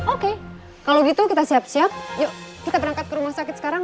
oke kalau gitu kita siap siap yuk kita berangkat ke rumah sakit sekarang